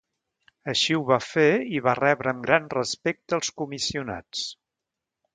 Així ho va fer i va rebre amb gran respecte als comissionats.